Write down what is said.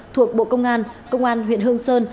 thuộc bộ công an công an huyện hương sơn